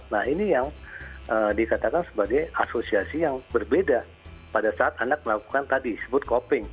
nah ini yang dikatakan sebagai asosiasi yang berbeda pada saat anak melakukan tadi disebut coping